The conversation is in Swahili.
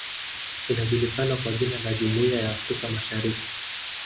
Inajulikana kwa jina la Jumuiya ya Afrika masahariki